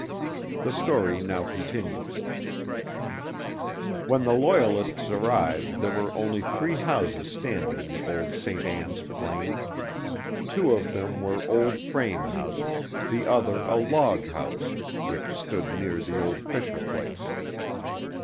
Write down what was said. The story now continues: When the Loyalists arrived there were only three houses standing on the old St. Ann's plain. Two of them were old frame houses, the other a log house (which stood near the old Fisher place).